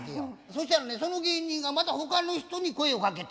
そしたらねその芸人がまた他の人に声をかけたんよ。